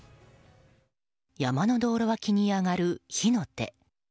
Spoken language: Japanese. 山の道路脇に上がる火の手。